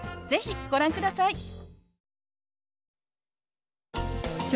是非ご覧ください。